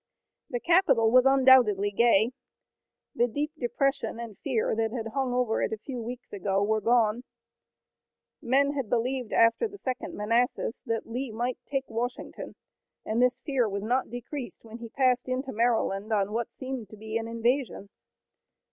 The capital was undoubtedly gay. The deep depression and fear that had hung over it a few weeks ago were gone. Men had believed after the Second Manassas that Lee might take Washington and this fear was not decreased when he passed into Maryland on what seemed to be an invasion.